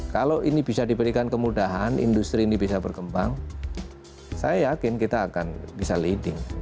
kalau ini bisa diberikan kemudahan industri ini bisa berkembang saya yakin kita akan bisa leading